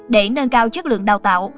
để nâng cao chất lượng đào tạo